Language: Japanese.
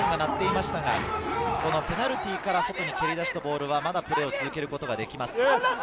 ホーンは鳴っていましたがペナルティーから外に蹴り出したボールはまだプレーを続けることができます。